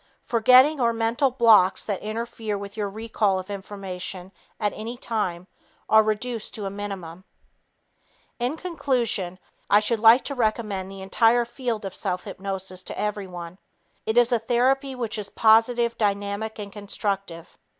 Forgetting or mental blocks that interfere with your recall of the information at any time, are reduced to a minimum. In conclusion, I should like to recommend the entire field of self hypnosis to everyone. It is a therapy which is positive, dynamic and constructive.